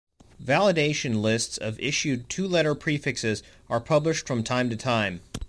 Validation lists of issued two-letter prefixes are published from time to time.